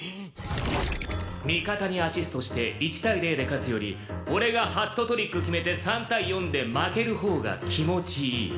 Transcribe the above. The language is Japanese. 「味方にアシストして１対０で勝つより俺がハットトリック決めて３対４で負けるほうが気持ちいい」。